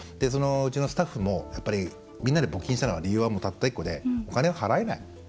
うちのスタッフもみんなで募金したのは理由はたった１個でお金は払えない。